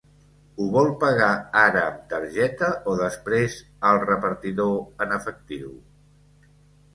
Ho vol pagar ara amb targeta o després al repartidor en efectiu?